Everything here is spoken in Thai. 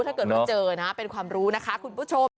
ถ้าเกิดว่าเจอนะเป็นความรู้นะคะคุณผู้ชม